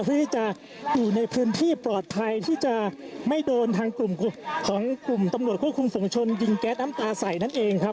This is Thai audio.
เพื่อที่จะอยู่ในพื้นที่ปลอดภัยที่จะไม่โดนทางกลุ่มของกลุ่มตำรวจควบคุมฝุงชนยิงแก๊สน้ำตาใส่นั่นเองครับ